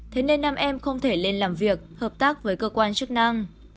thế nên nam em không thể lên làm việc hợp tác với cơ quan chức năng